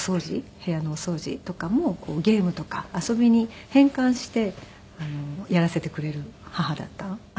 部屋のお掃除とかもゲームとか遊びに変換してやらせてくれる母だったんです。